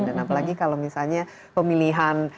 dan apalagi kalau misalnya pemilihan